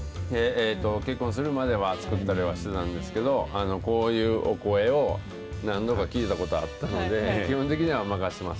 結婚するまでは作ってたりはしてたんですけど、こういうお声を何度か聞いたことあったので、基本的には任せます。